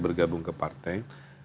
bergabung ke partai